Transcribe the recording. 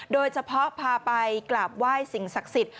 โดยเฉพาะพาไปกราบไหว้สิ่งศักดิ์สิทธิ์